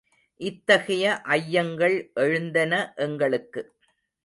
இத்தகைய ஐயங்கள் எழுந்தன எங்களுக்கு.